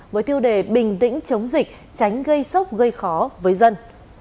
với tiêu đề bình tĩnh chống dịch tránh gây sốc gây khó với dân